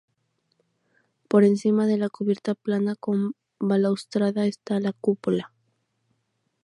Por encima de la cubierta plana con balaustrada está la cúpula.